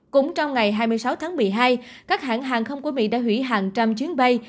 cũng trong ngày hai mươi sáu tháng một mươi hai các hãng hàng không của mỹ đã hủy hàng trăm chuyến bay